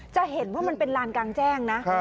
จะเห็นว่ามันเป็นลานกลางแจ้งนะ